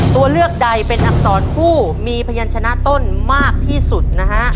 ตัวเลือกใดเป็นอักษรผู้มีพยานชนะต้นมากที่สุดนะฮะ